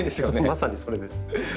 まさにそれです。